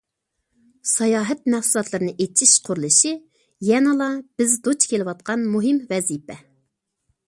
ساياھەت مەھسۇلاتلىرىنى ئېچىش قۇرۇلۇشى يەنىلا بىز دۇچ كېلىۋاتقان مۇھىم ۋەزىپە.